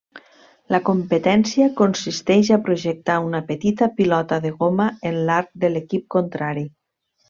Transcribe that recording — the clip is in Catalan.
La competència consisteix a projectar una petita pilota de goma en l'arc de l'equip contrari.